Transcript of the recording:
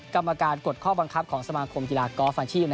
กรรมการกฎข้อบังคับของสมาคมกีฬากอล์ฟอาชีพ